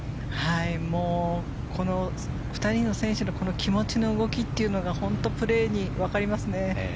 この２人の選手の気持ちの動きというのが本当にプレーでわかりますね。